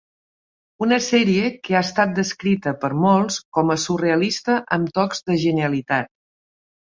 Una sèrie que ha estat descrita per molts com a "surrealista amb tocs de genialitat".